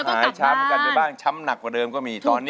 ช้ำกันไปบ้างช้ำหนักกว่าเดิมก็มีตอนนี้